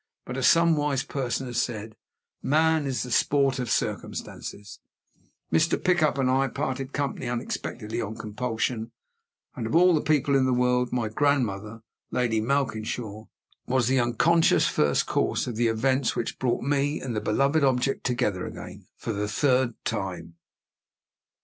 But, as some wise person has said, Man is the sport of circumstances. Mr. Pickup and I parted company unexpectedly, on compulsion. And, of all the people in the world, my grandmother, Lady Malkinshaw, was the unconscious first cause of the events which brought me and the beloved object together again, for the third time!